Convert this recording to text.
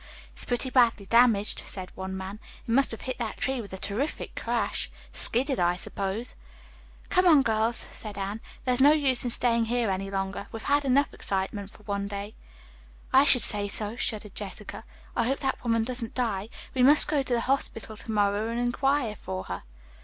"It's pretty badly damaged," said one man. "It must have hit that tree with a terrific crash. Skidded, I suppose." "Come on, girls," said Anne. "There is no use in staying here any longer. We've had excitement enough for one day." "I should say so," shuddered Jessica. "I hope that woman doesn't die. We must go to the hospital to morrow and inquire for her."